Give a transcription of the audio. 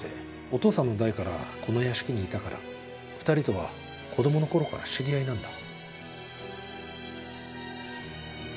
お父さんの代からこの屋敷にいたから２人とは子供のころから知り合いなんだ。